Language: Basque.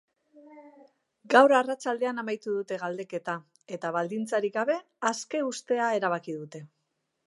Gaur arratsaldean amaitu dute galdeketa, eta baldintzarik gabe aske uztea erabaki dute.